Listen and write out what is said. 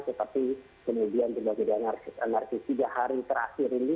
tetapi kemudian juga keadaan anarkis tiga hari terakhir ini